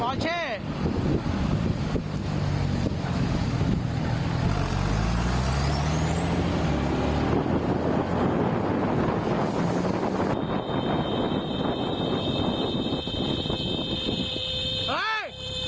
เออหนีไป